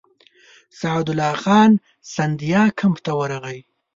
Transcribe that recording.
سعدالله خان سیندیا کمپ ته ورغی.